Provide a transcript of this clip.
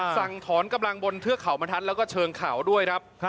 สั่งถอนกำลังบนเทือกเขาบรรทัศน์แล้วก็เชิงเขาด้วยครับ